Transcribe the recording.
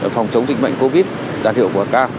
phòng chống dịch bệnh covid một mươi chín đạt hiệu quả cao